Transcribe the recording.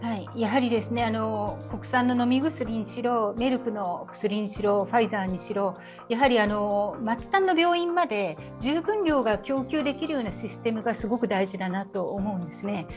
国産の飲み薬にしろ、メルクの薬にしろ、ファイザーにしろ、末端の病院まで十分量が供給できるシステムがすごく大事だなと。